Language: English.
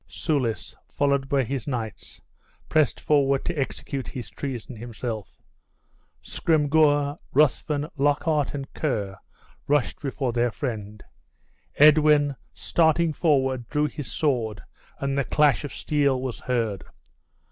Soulis, followed by his knights, pressed forward to execute his treason himself. Scrymgeour, Ruthven, Lockhart, and Ker rushed before their friend. Edwin, starting forward, drew his sword, and the clash of steel was heard.